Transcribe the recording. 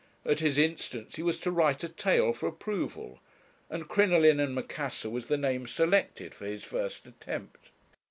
At his instance he was to write a tale for approval, and 'Crinoline and Macassar' was the name selected for his first attempt.